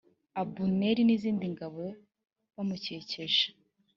abuneri n’izindi ngabo bamukikije